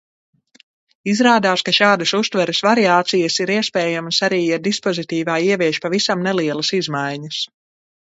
Izrādās, ka šādas uztveres variācijas ir iespējams arī, ja dispozitīvā ievieš pavisam nelielas izmaiņas.